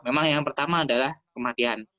memang yang pertama adalah kematian